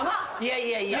いやいや。